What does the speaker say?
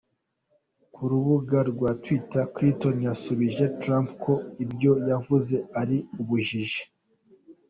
Ku rubuga rwa Twitter, Clinton yasubije Trump ko ibyo yavuze ari ubujiji.